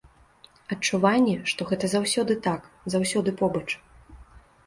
Адчуванне, што гэта заўсёды так, заўсёды побач.